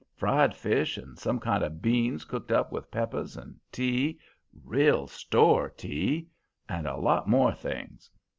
Fried fish, and some kind of beans cooked up with peppers, and tea real store tea and a lot more things.